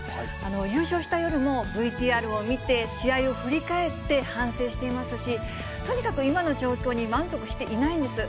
優勝したよりも、ＶＴＲを見て試合を振り返って、反省していますし、とにかく今の状況に満足していないんです。